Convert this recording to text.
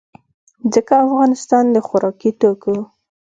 ځکه افغانستان د خوراکي توکو